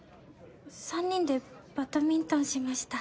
３人でバドミントンしました。